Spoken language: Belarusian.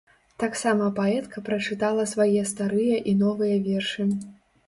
Таксама паэтка прачытала свае старыя і новыя вершы.